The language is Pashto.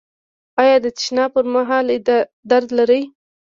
ایا د تشناب پر مهال درد لرئ؟